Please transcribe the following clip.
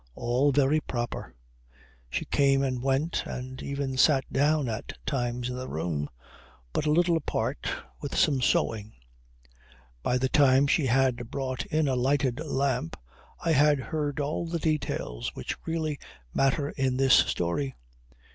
All very proper. She came and went and even sat down at times in the room, but a little apart, with some sewing. By the time she had brought in a lighted lamp I had heard all the details which really matter in this story.